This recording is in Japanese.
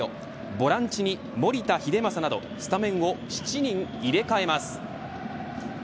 ボランチに守田英正などスタメンを７人入れ替えます。